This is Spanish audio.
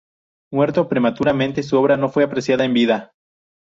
Muerto prematuramente, su obra no fue apreciada en vida.